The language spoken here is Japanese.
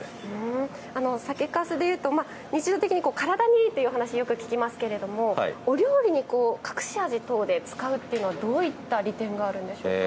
酒かすでいうとまあ日常的に体にいいっていうお話よく聞きますけれどもお料理に隠し味等で使うっていうのはどういった利点があるんでしょうか？